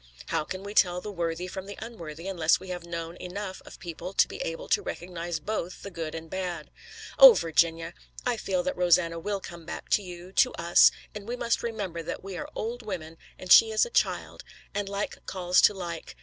How can we tell the worthy from the unworthy unless we have known enough of people to be able to recognize both the good and bad? Oh, Virginia! I feel that Rosanna will come back to you, to us, and we must remember that we are old women, and she is a child, and like calls to like.